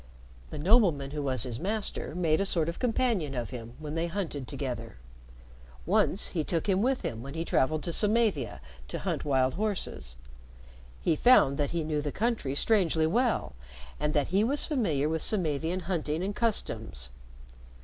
The nobleman who was his master made a sort of companion of him when they hunted together. Once he took him with him when he traveled to Samavia to hunt wild horses. He found that he knew the country strangely well, and that he was familiar with Samavian hunting and customs.